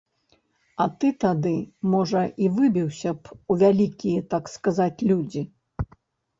А ты тады, можа, і выбіўся б у вялікія, так сказаць, людзі.